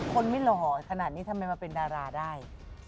คนไม่หล่อขนาดนี้ทำไมมาเป็นดาราได้